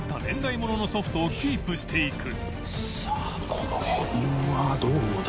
この辺はどうだ？